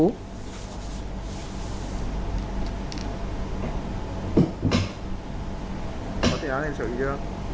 có thể án hành trình chưa